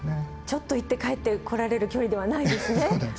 ちょっと行って帰ってこられる距離ではないですね。